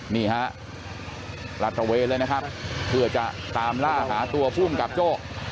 นี่ฮะลาดตระเวนเลยนะครับเพื่อจะตามล่าหาตัวภูมิกับโจ้